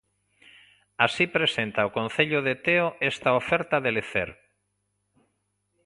Así presenta o Concello de Teo esta oferta de lecer.